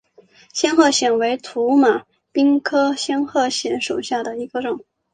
仙鹤藓为土马鬃科仙鹤藓属下的一个种。